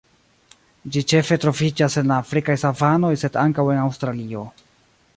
Ĝi ĉefe troviĝas en la afrikaj savanoj sed ankaŭ en Aŭstralio.